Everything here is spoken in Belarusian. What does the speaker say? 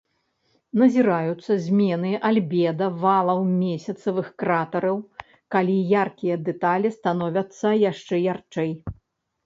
Назіраюцца змены альбеда валаў месяцавых кратэраў, калі яркія дэталі становяцца яшчэ ярчэй.